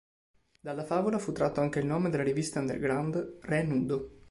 Dalla favola fu tratto anche il nome della rivista underground Re Nudo.